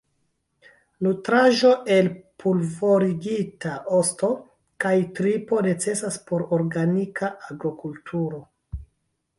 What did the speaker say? Nutraĵo el pulvorigita osto kaj tripo necesas por organika agrokulturo.